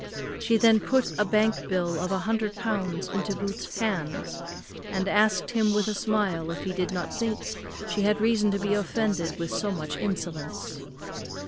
She then put a bank bill of a hundred pounds into Mr. Booth's hands, and asked him with a smile if he did not think she had reason to be offended with so much insolence?